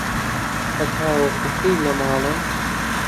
هەتاکوو کەی لە ماڵن؟